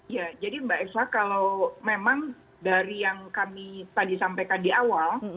ya jadi mbak eva kalau memang dari yang kami tadi sampaikan di awal